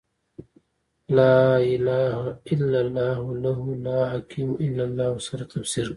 «لا اله الا الله» له «لا حاکم الا الله» سره تفسیر کړه.